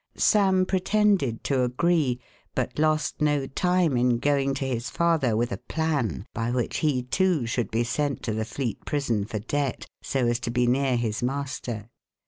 Sam pretended to agree, but lost no time in going to his father with a plan by which he, too, should be sent to the Fleet Prison for debt, so as to be near his master.